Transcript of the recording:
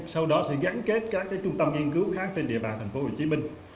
sau đó sẽ gắn kết các trung tâm nghiên cứu khác trên địa bàn thành phố hồ chí minh